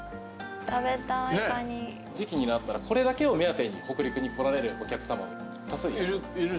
「食べたいカニ」時期になったらこれだけを目当てに北陸に来られるお客様も多数いらっしゃいます。